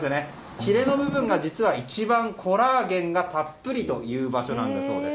ひれの部分が実は一番コラーゲンがたっぷりという場所なんだそうです。